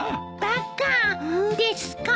バカですか？